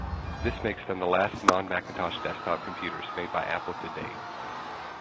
This makes them the last non-Macintosh desktop computers made by Apple to date.